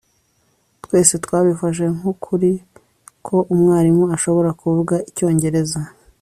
twese twabifashe nk'ukuri ko umwarimu ashobora kuvuga icyongereza